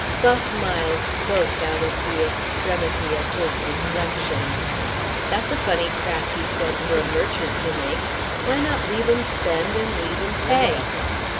Buff Miles spoke out of the extremity of his reflections. "That's a funny crack," he said, "for a merchant to make. Why not leave 'em spend and leave 'em pay?"